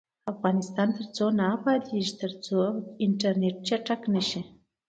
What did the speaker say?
افغانستان تر هغو نه ابادیږي، ترڅو انټرنیټ چټک نشي.